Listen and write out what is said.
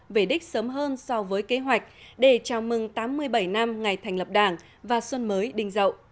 về đích sớm hơn so với kế hoạch để chào mừng tám mươi bảy năm ngày thành lập đảng và xuân mới đình dậu